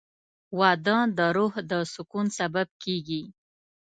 • واده د روح د سکون سبب کېږي.